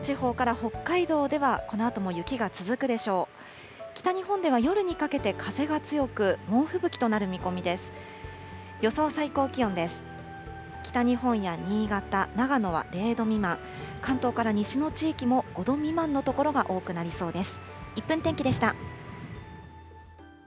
北日本や新潟、長野は０度未満、関東から西の地域も５度未満の所が多くなりそうです。